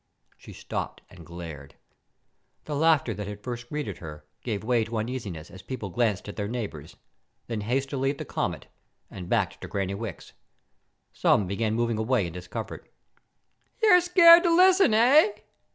She stopped and glared. The laughter that had first greeted her gave way to uneasiness as people glanced at their neighbors, then hastily at the comet, and back to Granny Wicks. Some began moving away in discomfort. "You're scared to listen, eh?"